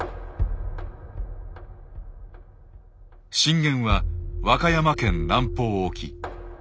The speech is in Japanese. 震源は和歌山県南方沖。